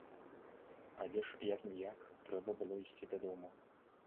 Але ж як-ніяк трэба было ісці дадому.